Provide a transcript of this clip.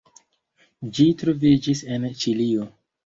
Ĝi troviĝis en Ĉilio.